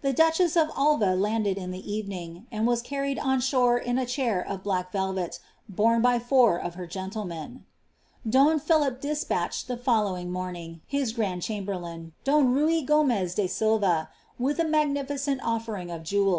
The duche»s of Alvi landed in the evening, and was carried on shore in a chair of black nU vel, borne by four of her gentlemen Don Philip despatched, the next morning, hia grand chamberlain, don Rny Gomez de Silva, with a magnificent offering of jeweU.